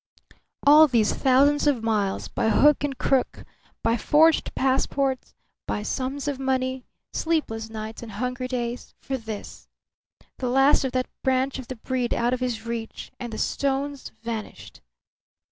All these thousands of miles, by hook and crook, by forged passports, by sums of money, sleepless nights and hungry days for this! The last of that branch of the breed out of his reach, and the stones vanished!